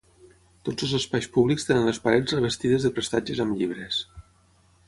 Tots els espais públics tenen les parets revestides de prestatges amb llibres.